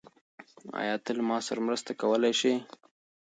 آیا ته له ما سره مرسته کولی شې؟